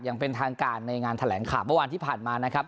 อย่างเป็นทางการในงานแถลงข่าวเมื่อวานที่ผ่านมานะครับ